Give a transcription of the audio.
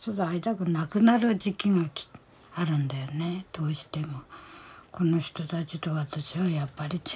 どうしても。